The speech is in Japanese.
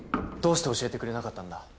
どうして教えてくれなかったんだ？